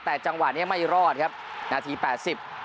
แต่จังหวะเนี้ยไม่รอดครับนาทีแปดสิบ